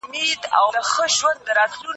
د فاسدې نکاح په صورت کې د ماشوم نسب چاته ثابتېږي؟